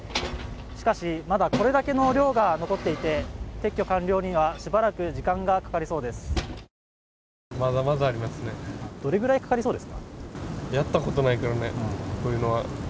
しかし、まだこれだけの量が残っていて、撤去完了にはしばらく時間がかかりそうです。